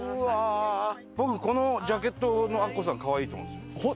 僕このジャケットのアッコさんかわいいと思うんですよ。